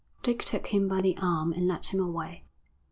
Dick took him by the arm and led him away.